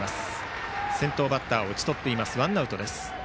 先頭バッターを打ち取っていますワンアウトです。